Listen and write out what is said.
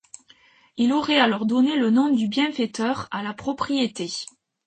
Il aurait alors donné le nom du bienfaiteur à la propriété.